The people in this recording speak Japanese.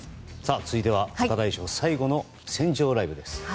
続いては若大将最後の船上ライブです。